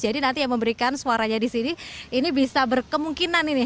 jadi nanti yang memberikan suaranya di sini ini bisa berkemungkinan ini